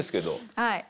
はい。